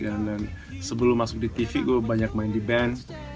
dan sebelum masuk di tv gue banyak main di band